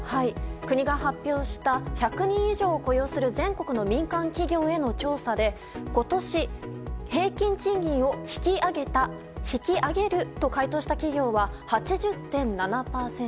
国が発表した１００人以上を雇用する全国の民間企業への調査で今年、平均賃金を引き上げた、引き上げると回答した企業は８０．７％。